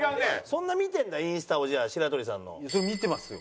そんな見てるんだインスタをじゃあ白鳥さんの。そりゃ見てますよ。